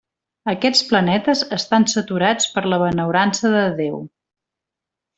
Aquests planetes estan saturats per la benaurança de Déu.